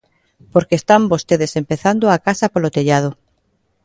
Porque están vostedes empezando a casa polo tellado.